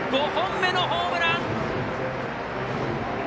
５本目のホームラン！